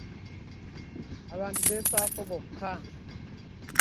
Abantu beefaako bokka.